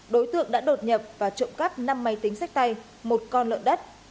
đối tượng đã đột nhập và trộm cắp năm máy tính sách tay một con lợn đất